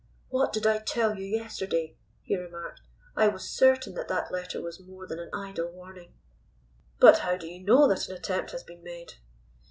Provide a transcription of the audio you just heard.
"What did I tell you yesterday?" he remarked. "I was certain that that letter was more than an idle warning. But how do you know that an attempt has been made?"